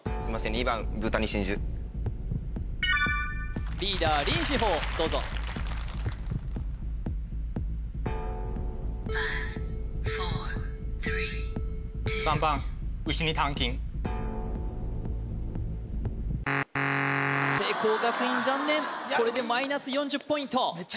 ２番豚に真珠リーダー・林志邦どうぞ３番牛に鍛金聖光学院残念これでマイナス４０ポイント